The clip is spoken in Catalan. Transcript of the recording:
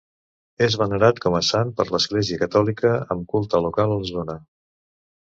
És venerat com a sant per l'Església catòlica, amb culte local a la zona.